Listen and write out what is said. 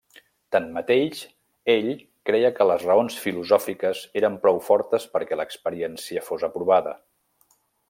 Tanmateix, ell creia que les raons filosòfiques eren prou fortes perquè l'experiència fos aprovada.